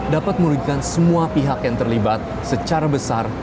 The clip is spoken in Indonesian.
dapat merugikan semua pihak yang terlibat secara besar